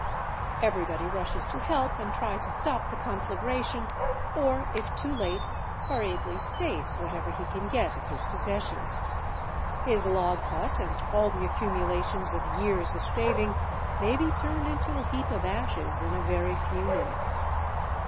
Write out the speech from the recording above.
Everybody rushes to help and try to stop the conflagration, or if too late hurriedly saves whatever he can get of his possessions. His log hut and all the accumulations of years of saving may be turned into a heap of ashes in a very few minutes.